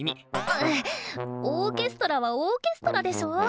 ぐっオーケストラはオーケストラでしょ。